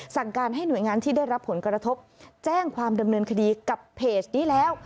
สั่งการให้หน่วยงานที่ได้รับผลกระทบแจ้งความดำเนินคดีกับเพจนี้แล้ว